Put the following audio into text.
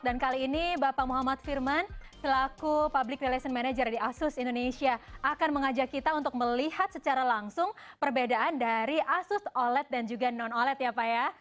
dan kali ini bapak muhammad firman selaku public relations manager di asus indonesia akan mengajak kita untuk melihat secara langsung perbedaan dari asus oled dan juga non oled ya pak ya